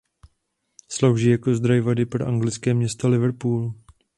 Slouží jako zdroj vody pro anglické město Liverpool.